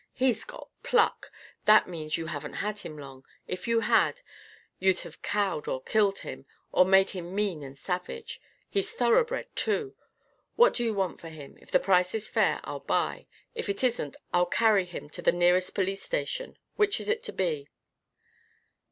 "He's got pluck! That means you haven't had him long. If you had, you'd have cowed or killed him, or made him mean and savage. He's thoroughbred, too. What do you want for him? If the price is fair, I'll buy. If it isn't, I'll carry him to the nearest police station. Which is it to be?"